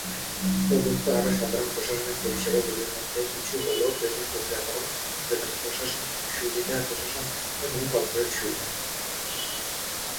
প্রদত্ত আরও সাধারণ প্রশাসনিক পরিষেবাগুলির মধ্যে কিছু হল বেতন প্রক্রিয়াকরণ, বেতনের প্রশাসন, সুবিধা প্রশাসন এবং কর্পোরেট সুবিধা।